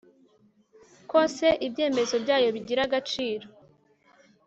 kose ibyemezo byayo bigira agaciro